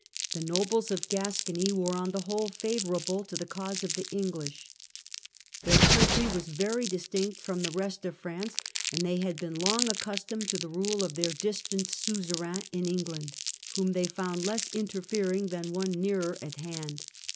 The Campaign nobles of Gascony were on the whole favourable to the taine^Tsss cause of the English, Their country was very distinct ^^^^ from the rest of France, and they had been long accus tomed to the rule of their distant suzerain in England, whom they found less interfering than one nearer at hand.